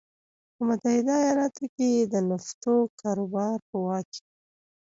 په متحده ایالتونو کې یې د نفتو کاروبار په واک کې و.